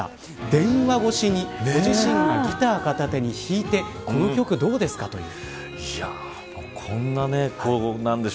電話越しにご自身がギターを片手に弾いてこの曲どうですか、というエピソードです。